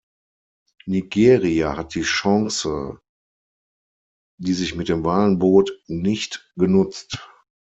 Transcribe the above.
Nigeria hat die Chance, die sich mit den Wahlen bot, nicht genutzt.